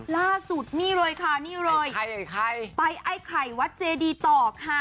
ล่าสุดนี่เลยค่ะนี่เลยไปไอ้ไข่วัดเจดีต่อค่ะ